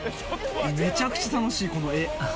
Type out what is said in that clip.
・めちゃくちゃ楽しいこの画。